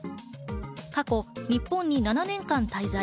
過去、日本に７年間滞在。